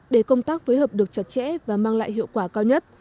để công tác phối hợp được chặt chẽ và mang lại hiệu quả cao nhất